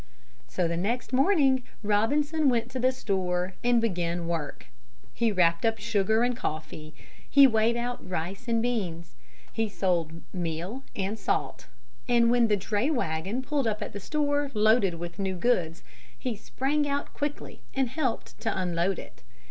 So the next morning Robinson went to the store and began work. He wrapped up sugar and coffee, he weighed out rice and beans. He sold meal and salt, and when the dray wagon pulled up at the store, loaded with new goods, he sprang out quickly and helped to unload it.